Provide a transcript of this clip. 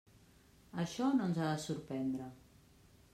Això no ens ha de sorprendre.